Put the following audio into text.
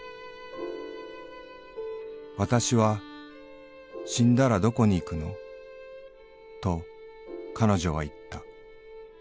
「『わたしは死んだらどこに行くの』と彼女は言った。